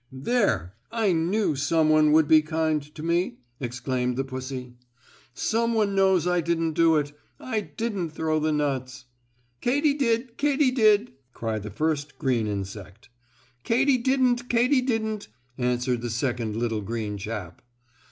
"There, I knew some one would be kind to me!" exclaimed the pussy. "Some one knows I didn't do it. I didn't throw the nuts." "Katy did! Katy did!" cried the first green insect. "Katy didn't! Katy didn't!" answered the second little green chap.